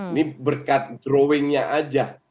ini berkat drawingnya saja